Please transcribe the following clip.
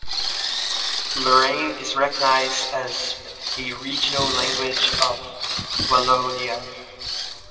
Lorrain is recognised as a regional language of Wallonia.